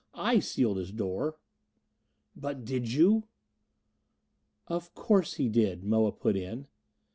I sealed his door." "But did you?" "Of course he did," Moa put in.